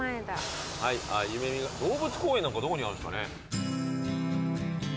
動物公園なんかどこにあるんですかね。